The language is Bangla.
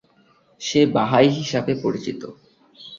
সে বাহাই হিসাবে পরিচিত।